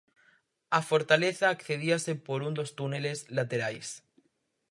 Á fortaleza accedíase por un dos túneles laterais.